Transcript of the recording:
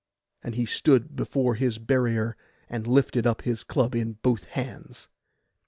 And he stood before his barrier, and lifted up his club in both hands.